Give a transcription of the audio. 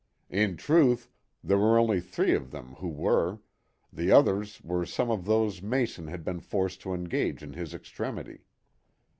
In truth, there were only three of them who were, the others were some of those Mason had been forced to engage in his extremity.